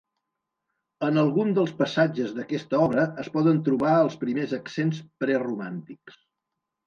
En algun dels passatges d'aquesta obra es poden trobar els primers accents preromàntics.